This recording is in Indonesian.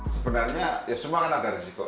sebenarnya ya semua kan ada risiko